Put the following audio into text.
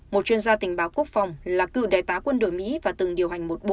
một chuyên gia tình báo quốc phòng là cựu đại tá quân đội mỹ và từng điều hành